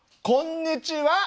こんにちは。